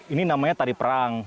ini namanya tari perang